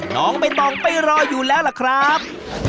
น้องใบตองไปรออยู่แล้วล่ะครับ